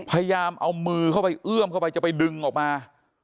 พยายามเอามือเข้าไปเอื้อมเข้าไปจะไปดึงออกมา